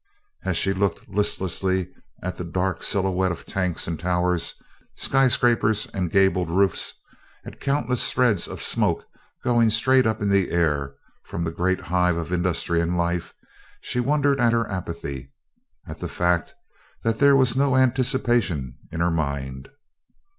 As she looked listlessly at the dark silhouette of tanks and towers, skyscrapers and gable roofs, at countless threads of smoke going straight up in the still air from the great hive of industry and life, she wondered at her apathy, at the fact that there was no anticipation in her mind.